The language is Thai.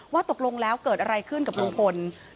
ตกลงแล้วเกิดอะไรขึ้นกับลุงพล